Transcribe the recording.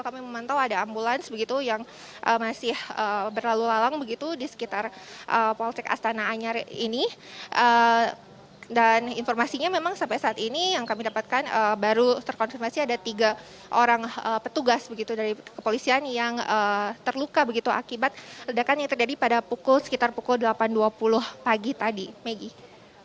kami memantau ada ambulans begitu yang masih berlalu lalang begitu di sekitar polsek astana anyar ini dan informasinya memang sampai saat ini yang kami dapatkan baru terkonfirmasi ada tiga orang petugas begitu dari kepolisian yang terluka begitu akibat ledakan yang terjadi pada pukul sekitar pukul delapan dua puluh pagi tadi maggie